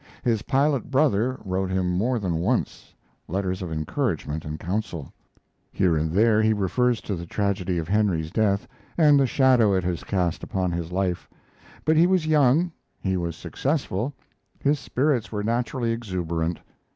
His pilot brother, wrote him more than once letters of encouragement and council. Here and there he refers to the tragedy of Henry's death, and the shadow it has cast upon his life; but he was young, he was successful, his spirits were naturally exuberant.